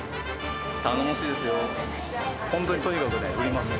頼もしいですよ。